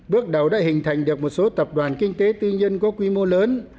bước đầu đã hình thành được một số tập đoàn kinh tế tư nhân có quy mô lớn